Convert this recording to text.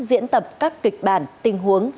diễn tập các kịch bản tình huống